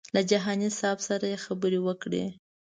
له جهاني صاحب سره خبرې وکړې.